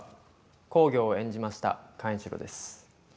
公暁を演じました寛一郎です。